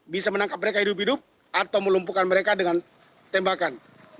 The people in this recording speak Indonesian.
bisa menangkap mereka hidup hidup atau melumpuhkan mereka dengan tembakan